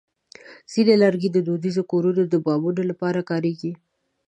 ځینې لرګي د دودیزو کورونو د بامونو لپاره کارېږي.